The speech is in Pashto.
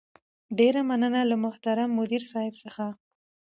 ډېره مننه له محترم مدير صيب څخه